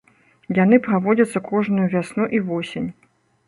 Яны праводзяцца кожную вясну і восень.